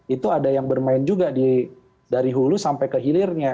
itu ada yang bermain juga dari hulu sampai ke hilirnya